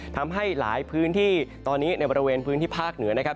ทำให้หลายพื้นที่ตอนนี้ในบริเวณพื้นที่ภาคเหนือนะครับ